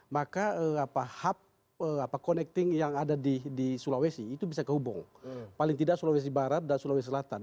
maka hub connecting yang ada di sulawesi itu bisa kehubung paling tidak sulawesi barat dan sulawesi selatan